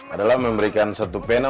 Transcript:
adalah memberikan satu satunya